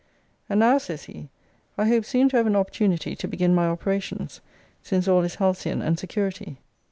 ] And now, says he, I hope soon to have an opportunity to begin my operations; since all is halcyon and security.